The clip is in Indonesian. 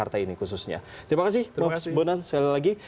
terima kasih mas bondan sekali lagi